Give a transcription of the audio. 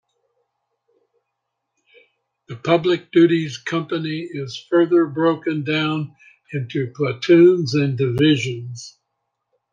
The Public Duties Company is further broken down into platoons and divisions.